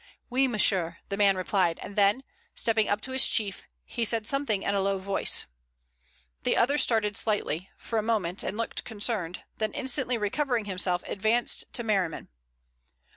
"Oui, monsieur," the man replied, and then, stepping up to his chief, he said something in a low voice. The other started slightly, for a moment looked concerned, then instantly recovering himself, advanced to Merriman.